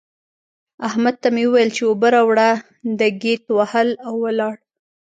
احمد ته مې وويل چې اوبه راوړه؛ ده ګيت وهل او ولاړ.